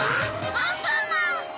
アンパンマン！